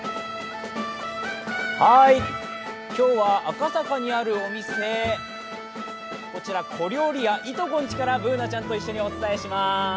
はい、今日は赤坂にあるお店、小料理屋いとこんちからＢｏｏｎａちゃんと一緒にお伝えします